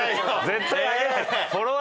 絶対上げない。